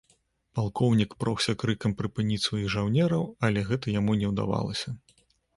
Палкоўнік прогся крыкам прыпыніць сваіх жаўнераў, але гэта яму не удавалася.